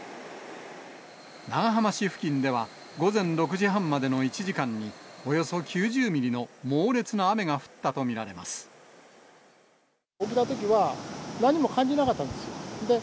長浜市付近では、午前６時半までの１時間に、およそ９０ミリの猛烈な雨が降っ起きたときは、何も感じなかったんですよ。